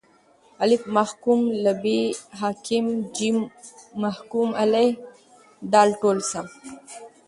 الف: محکوم له ب: حاکم ج: محکوم علیه د: ټوله سم دي